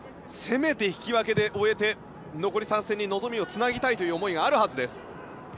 せめて引き分けで終えて残り３戦に望みをつなぎたいという思いがあるはずです。